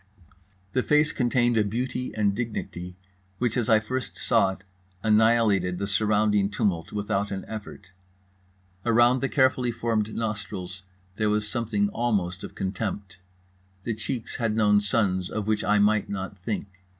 The face contained a beauty and dignity which, as I first saw it, annihilated the surrounding tumult without an effort. Around the carefully formed nostrils there was something almost of contempt. The cheeks had known suns of which I might not think.